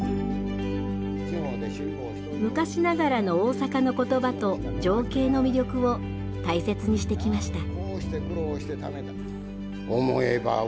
昔ながらの大阪の言葉と情景の魅力を大切にしてきました。